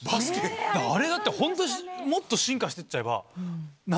あれだってホントもっと進化してっちゃえば。